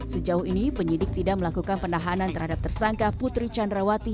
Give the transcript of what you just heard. sejauh ini penyidik tidak melakukan penahanan terhadap tersangka putri candrawati